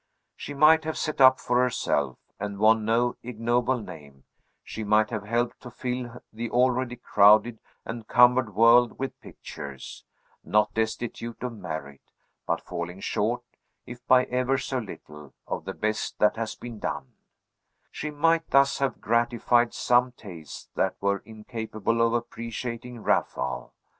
She might have set up for herself, and won no ignoble name; she might have helped to fill the already crowded and cumbered world with pictures, not destitute of merit, but falling short, if by ever so little, of the best that has been done; she might thus have gratified some tastes that were incapable of appreciating Raphael.